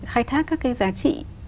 khai thác các cái giá trị